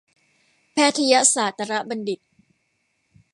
แพทยศาสตรบัณฑิต